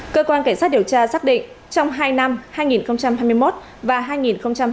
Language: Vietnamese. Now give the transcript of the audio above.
cơ quan cảnh sát điều tra xác định trong hai năm hai nghìn hai mươi một